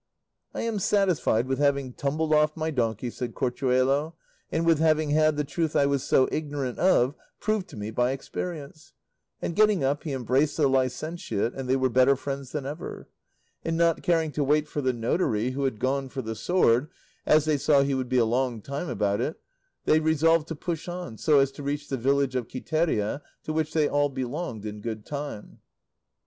"I am satisfied with having tumbled off my donkey," said Corchuelo, "and with having had the truth I was so ignorant of proved to me by experience;" and getting up he embraced the licentiate, and they were better friends than ever; and not caring to wait for the notary who had gone for the sword, as they saw he would be a long time about it, they resolved to push on so as to reach the village of Quiteria, to which they all belonged, in good time.